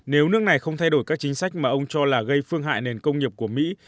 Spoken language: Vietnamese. nếu nước này không thay đổi các chính sách mà ông cho là gây phương hại nền công nghiệp của mỹ